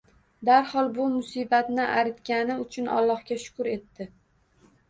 Darhol bu musibatni aritgani uchun Allohga shukr etdi.